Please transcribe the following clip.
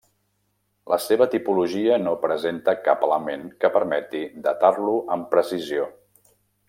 La seva tipologia no presenta cap element que permeti datar-lo amb precisió.